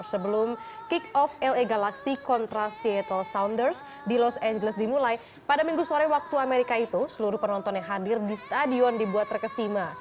sebelum kick off la galaxy kontra seattle sounders di los angeles dimulai pada minggu sore waktu amerika itu seluruh penonton yang hadir di stadion dibuat terkesima